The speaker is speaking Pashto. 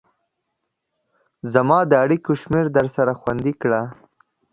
زما د اړيكو شمېره درسره خوندي کړئ